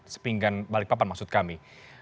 sepinggan balikpapan maksud kami